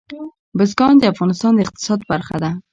بزګان د افغانستان د اقتصاد برخه ده.